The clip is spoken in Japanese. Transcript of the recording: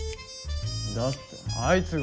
だってあいつが。